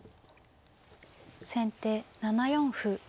先手７四歩。